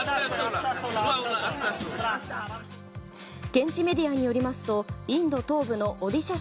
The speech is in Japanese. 現地メディアによりますとインド東部のオディシャ